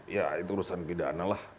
ya itu urusan pidana lah